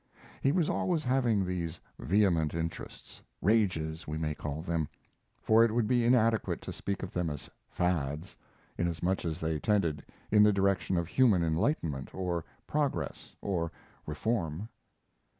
(He was always having these vehement interests rages we may call them, for it would be inadequate to speak of them as fads, inasmuch as they tended in the direction of human enlightenment, or progress, or reform.)